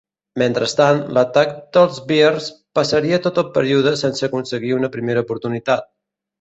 Mentrestant, l'atac dels Bears passaria tot el període sense aconseguir una primera oportunitat.